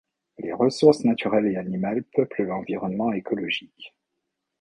Les ressources naturelles et animales peuplent l'environnement écologique.